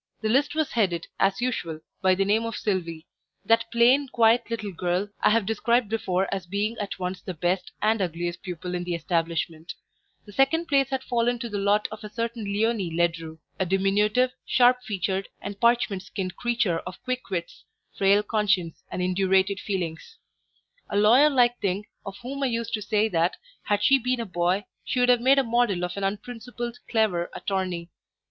The list was headed, as usual, by the name of Sylvie, that plain, quiet little girl I have described before as being at once the best and ugliest pupil in the establishment; the second place had fallen to the lot of a certain Leonie Ledru, a diminutive, sharp featured, and parchment skinned creature of quick wits, frail conscience, and indurated feelings; a lawyer like thing, of whom I used to say that, had she been a boy, she would have made a model of an unprincipled, clever attorney.